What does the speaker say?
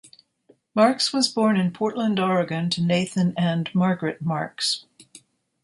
Marks was born in Portland, Oregon to Nathan and Margaret Marks.